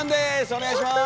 お願いします。